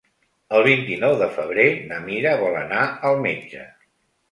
El vint-i-nou de febrer na Mira vol anar al metge.